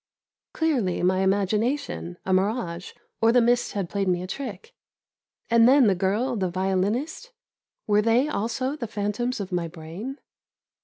Clearly my imagination, a mirage, or the mist had played me a trick. And then the girl, the violinist: were they also the phantoms of my brain?